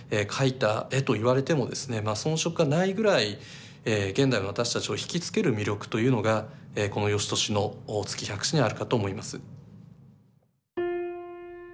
描いた絵と言われてもですねまあ遜色がないぐらい現代の私たちを引き付ける魅力というのがこの芳年の「月百姿」にあるかと思います。